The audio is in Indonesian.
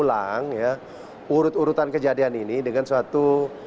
kita memang akan meliti ulang ya urut urutan kejadian ini dengan suatu